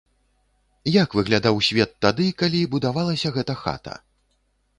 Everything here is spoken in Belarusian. Як выглядаў свет тады, калі будавалася гэта хата?